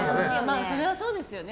それはそうですよね。